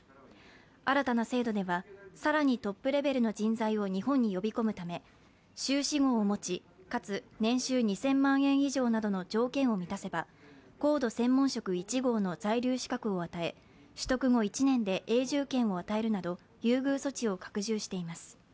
新たな制度では、更にトップレベルの人材を日本に呼び込むため修士号を持ち、かつ年収２０００万円以上などの条件を満たせば高度専門職１号の在留資格を与え、取得後１年で永住権を与えるなど優遇措置を拡充しています。